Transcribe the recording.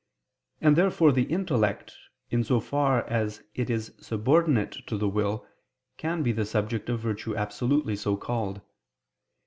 And therefore the intellect, in so far as it is subordinate to the will, can be the subject of virtue absolutely so called.